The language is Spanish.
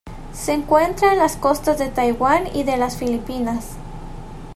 Se encuentra en las costas de Taiwán y de las Filipinas.